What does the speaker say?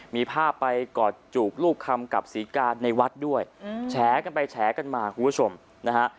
มีภาพไปกอดจูบลูกคำกับศรีกาในวัดด้วยแฉกันไปแฉกันมาคุณผู้ชมนะฮะ